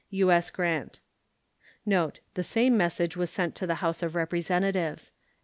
U.S. GRANT. [The same message was sent to the House of Representatives.